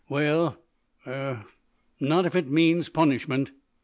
"Well er not if it means punishment!"